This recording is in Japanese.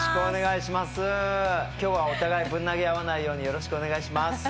今日はお互いぶん投げ合わないようによろしくお願いします。